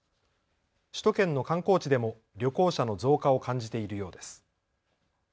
首都圏の観光地でも旅行者の増加を感じているようです。